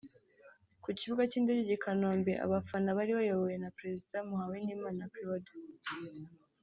Ku kibuga cy’indege i Kanombe abafana bari bayobowe na perezida Muhawenimana Claude